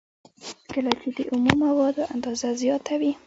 کله چې د اومو موادو اندازه زیاته وي